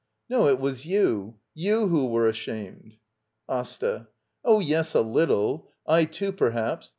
No, it was you — you who were ashamed. AsTA. Oh, yes, a little — I, too, perhaps.